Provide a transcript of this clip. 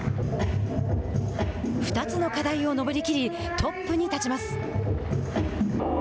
２つの課題を登りきりトップに立ちます。